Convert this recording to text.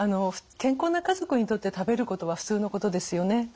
健康な家族にとって食べることは普通のことですよね。